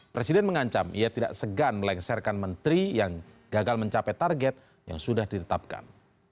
presiden mengancam ia tidak segan melengsarkan menteri yang gagal mencapai target yang sudah ditetapkan